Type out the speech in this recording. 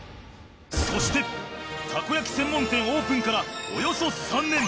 そしてたこ焼き専門店オープンからおよそ３年。